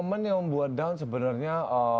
momen yang membuat down sebenarnya